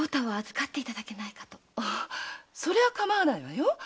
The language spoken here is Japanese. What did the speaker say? それはかまわないわよ。